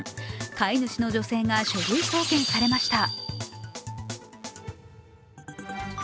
飼い主の女性が書類送検されました。